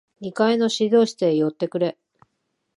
二階の指導室へ寄ってくれ。